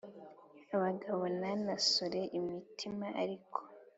abagabo n’anasore imitima ariko